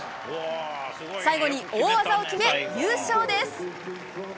最後に大技を決め、優勝です。